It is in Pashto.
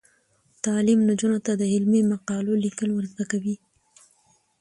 تعلیم نجونو ته د علمي مقالو لیکل ور زده کوي.